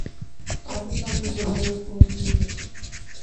پاکستان میں صوبائی اور قومی الیکشن